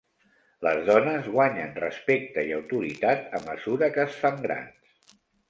Les dones guanyen respecte i autoritat a mesura que es fan grans.